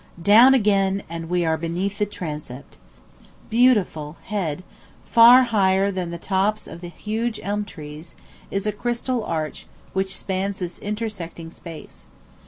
Down again, and we are beneath the transept. Beautiful, head, far higher than the tops of the huge elm trees, is a crystal arch which spans this intersecting space.